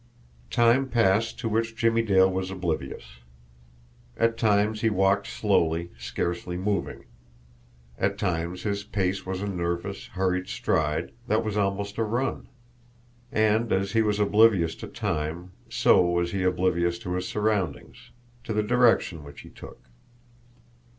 Time passed to which Jimmie Dale was oblivious. At times he walked slowly, scarcely moving; at times his pace was a nervous, hurried stride, that was almost a run. And as he was oblivious to time, so was he oblivious to his surroundings, to the direction which he took.